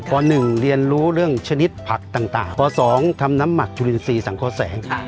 ๑เรียนรู้เรื่องชนิดผักต่างป๒ทำน้ำหมักจุลินทรีย์สังคแสง